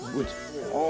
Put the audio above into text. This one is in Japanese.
ああ！